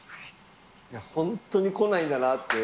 本当に来ないんだなって。